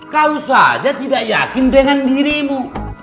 kau saja tidak yakin dengan dirimu